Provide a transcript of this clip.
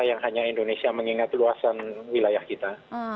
yang hanya indonesia mengingat luasan wilayah kita